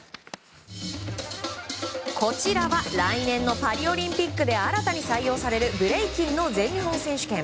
こちらは、来年のパリオリンピックで新たに採用されるブレイキンの全日本選手権。